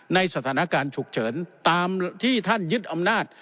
ในสถานการณ์ฉุกเฉินตามที่ท่านยึดอำนาจ